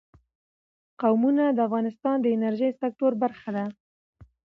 قومونه د افغانستان د انرژۍ سکتور برخه ده.